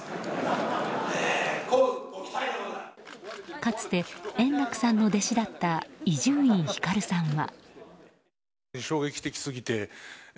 かつて円楽さんの弟子だった伊集院光さんは。